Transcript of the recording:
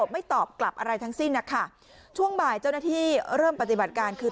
ไม่ตอบกลับอะไรทั้งสิ้นนะคะช่วงบ่ายเจ้าหน้าที่เริ่มปฏิบัติการคือ